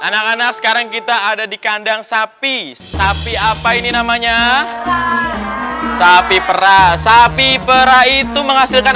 anak anak sekarang kita ada di kandang sapi sapi apa ini namanya sapi perah sapi perah itu menghasilkan